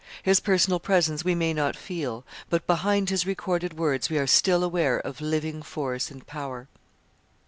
His personal presence we may not feel; but behind his recorded words we are still aware of living force and power.